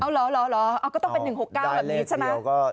เอาเหรอก็ต้องเป็น๑๖๙แบบนี้ใช่ไหม